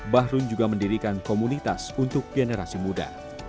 bahrun juga mendirikan komunitas untuk generasi muda